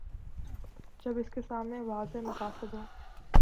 جب اس کے سامنے واضح مقاصد ہوں۔